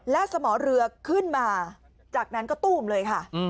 และสมอเรือขึ้นมาจากนั้นก็ตู้มเลยค่ะ